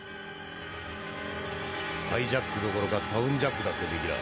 ハイジャックどころかタウンジャックだってできらぁ。